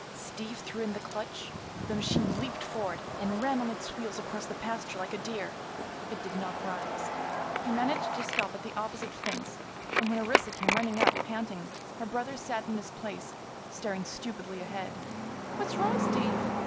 Steve threw in the clutch; the machine leaped forward and ran on its wheels across the pasture like a deer, but did not rise. He managed to stop at the opposite fence and when Orissa came running up, panting, her brother sat in his place staring stupidly ahead. "What's wrong, Steve?"